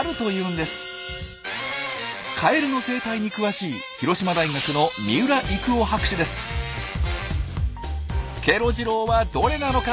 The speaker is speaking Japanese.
カエルの生態に詳しいケロ次郎はどれなのか。